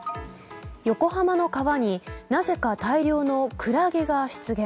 横浜の川になぜか大量のクラゲが出現。